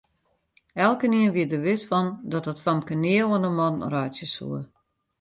Elkenien wie der wis fan dat dat famke nea oan 'e man reitsje soe.